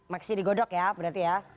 maksudnya di godok ya berarti ya